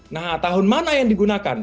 nah tahun mana yang digunakan